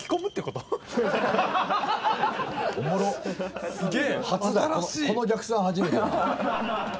この逆算初めてだな。